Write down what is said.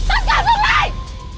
tất cả dừng lại